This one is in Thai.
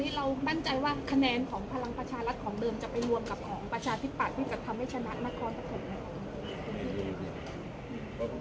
เราต้องไปช่วยภาคร่วมและกำลังในการหลบกันไหมครับ